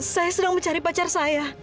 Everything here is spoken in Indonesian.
saya sedang mencari pacar saya